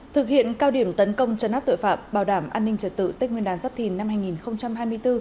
thực hiện cao điểm tấn công chấn áp tội phạm bảo đảm an ninh trật tự tết nguyên đán giáp thìn năm hai nghìn hai mươi bốn